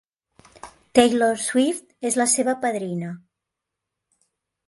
Taylor Swift és la seva padrina.